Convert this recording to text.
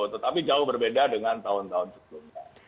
tetapi jauh berbeda dengan tahun tahun sebelumnya